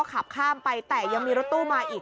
ขับข้ามไปแต่ยังมีรถตู้มาอีก